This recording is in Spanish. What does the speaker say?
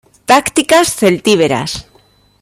Tácticas celtíberas.